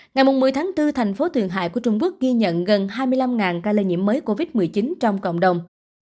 ngày một mươi tháng bốn thành phố thượng hải của trung quốc ghi nhận gần hai mươi năm ca lây nhiễm mới covid một mươi chín trong cộng đồng